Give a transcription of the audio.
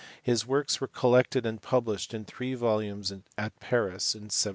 His works were collected and published in three volumes at Paris in 1713.